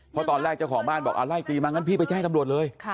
เพราะตอนแรกเจ้าของบ้านบอกไล่ตีมางั้นพี่ไปแจ้งตำรวจเลย